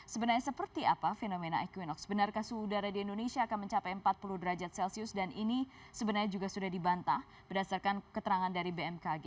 sebenarnya seperti apa fenomena equinox benarkah suhu udara di indonesia akan mencapai empat puluh derajat celcius dan ini sebenarnya juga sudah dibantah berdasarkan keterangan dari bmkg